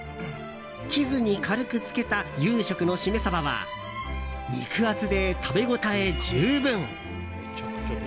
生酢に軽く漬けた有職のシメサバは肉厚で食べ応え十分。